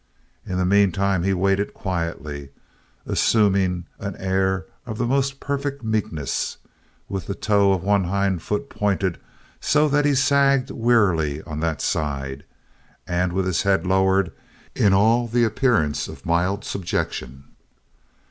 In the meantime he waited quietly, assuming an air of the most perfect meekness, with the toe of one hind foot pointed so that he sagged wearily on that side, and with his head lowered in all the appearance of mild subjection.